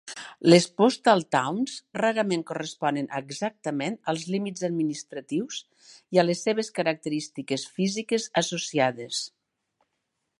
Les postal towns rarament corresponen exactament als límits administratius i a les seves característiques físiques associades.